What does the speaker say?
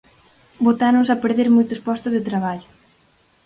Botáronse a perder moitos postos de traballo.